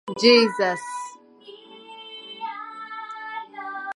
This time, the group stage format was abandoned in favour of a knockout tournament.